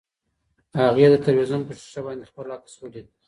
هغې د تلویزیون په ښیښه باندې خپل عکس ولید.